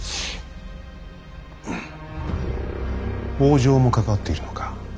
北条も関わっているのか。